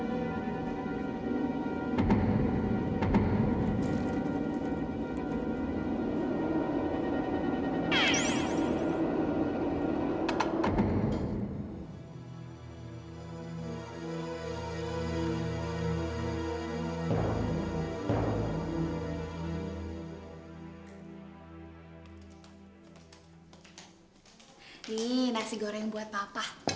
ini nasi goreng buat papa